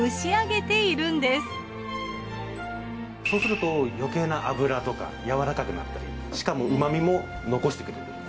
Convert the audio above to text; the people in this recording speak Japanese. そうすると余計な脂とかやわらかくなったりしかも旨みも残してくれる。